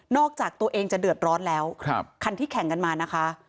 จากตัวเองจะเดือดร้อนแล้วคันที่แข่งกันมานะคะ